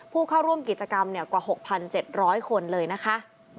ผู้เข้าร่วมกิจกรรมกว่า๖๗๐๐คนเลยนะคะ